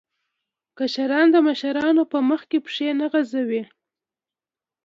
کشران د مشرانو په مخ کې پښې نه اوږدوي.